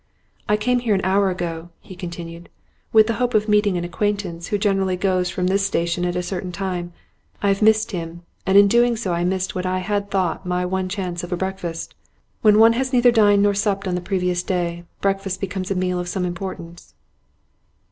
'I came here an hour ago,' he continued, 'with the hope of meeting an acquaintance who generally goes from this station at a certain time. I have missed him, and in doing so I missed what I had thought my one chance of a breakfast. When one has neither dined nor supped on the previous day, breakfast becomes a meal of some importance.